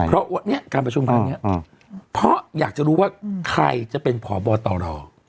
เพราะเนี้ยการประชุมทำอย่างงี้เพราะอยากจะรู้ว่าใครจะเป็นผ่อบอตตอดร